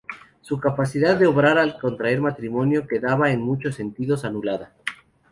Su capacidad de obrar al contraer matrimonio quedaba, en muchos sentidos, anulada.